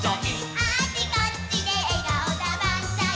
「あっちこっちでえがおだバンザイ」